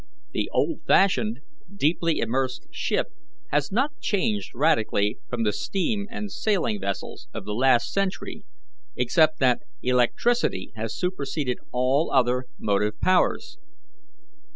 The old fashioned deeply immersed ship has not changed radically from the steam and sailing vessels of the last century, except that electricity has superseded all other motive powers.